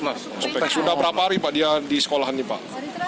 nah sudah berapa hari pak dia di sekolah ini pak